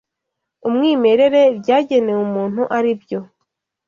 umwimerere byagenewe umuntu ari byo